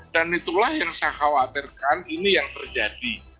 dan itulah yang saya khawatirkan ini yang terjadi